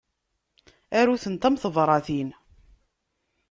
Aru-tent am tebratin.